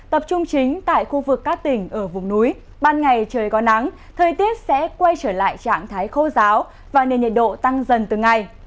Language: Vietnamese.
tập trung chính tại khu vực các tỉnh ở vùng núi ban ngày trời có nắng thời tiết sẽ quay trở lại trạng thái khô giáo và nền nhiệt độ tăng dần từng ngày